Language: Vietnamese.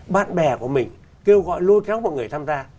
bạn bè của mình kêu gọi lôi kéo mọi người tham gia